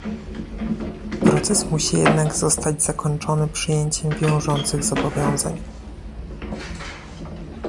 Proces musi jednak zostać zakończony przyjęciem wiążących zobowiązań